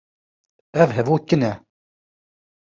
Ev hevok kin e.